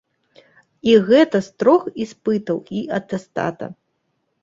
І гэта з трох іспытаў і атэстата!